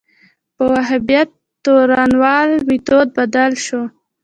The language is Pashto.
په وهابیت تورنول میتود بدل شو